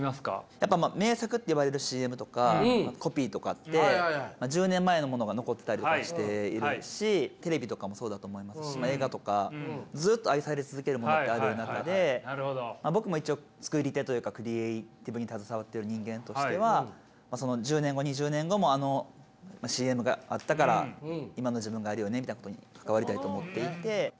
やっぱ名作っていわれるＣＭとかコピーとかって１０年前のものが残っていたりとかしているしテレビとかもそうだと思いますしまあ映画とかずっと愛され続けるものってある中で僕も一応作り手というかクリエーティブに携わっている人間としてはその１０年後２０年後もあのＣＭがあったから今の自分があるよねみたいなことに関わりたいと思っていて。